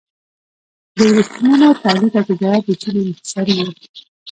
د ورېښمو تولید او تجارت د چین انحصاري و.